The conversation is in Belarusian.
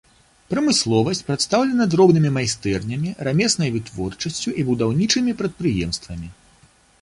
Прамысловасць прадстаўлена дробнымі майстэрнямі, рамеснай вытворчасцю і будаўнічымі прадпрыемствамі.